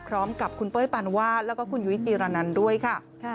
พร้อมกับคุณเป้ยปานวาดแล้วก็คุณยุ้ยจีรนันด้วยค่ะ